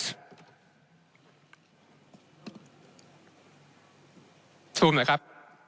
ซูมหน่อยครับ